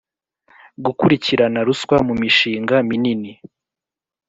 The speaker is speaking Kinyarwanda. gukurikirana ruswa mu mishinga minini